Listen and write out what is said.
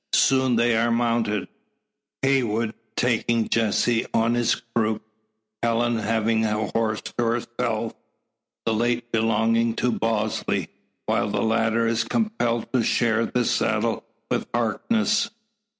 Soon they are mounted, Heywood taking Jessie on his croup, Helen having a horse to herself that late belonging to Bosley while the latter is compelled to share the saddle with Harkness.